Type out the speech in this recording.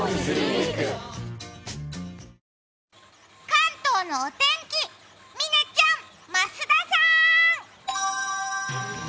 関東のお天気、嶺ちゃん、増田さん！